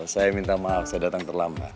saya minta maaf saya datang terlambat